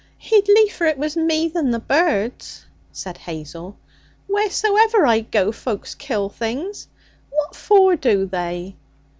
'He'd liefer it was me than the birds!' said Hazel. 'Wheresoever I go, folk kill things. What for do they?'